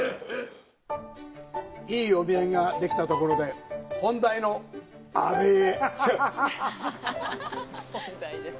いいお土産ができたところで本題の“アレ”へ！